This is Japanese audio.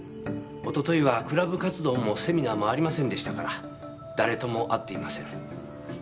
一昨日はクラブ活動もセミナーもありませんでしたから誰とも会っていません。